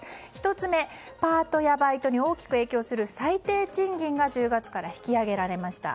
１つ目、パートやバイトに大きく影響する最低賃金が１０月から引き上げられました。